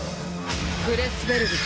フレスベルグ。